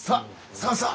さあさあ！